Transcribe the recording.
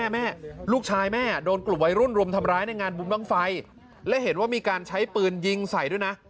แม่ลูกชายแม่โดนกลุ่มวัยรุ่นรุมทำร้ายในงานบุญบ้างไฟและเห็นว่ามีการใช้ปืนยิงใส่ด้วยนะ